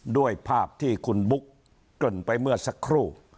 ด้วยภาพที่คุณบุ๊กเกริ่นไปเมื่อสักครู่